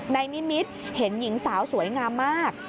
นายนิมิตรเห็นหญิงสาวสวยงามมาก